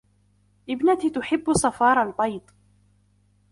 ابنتي تحب صفار البيض.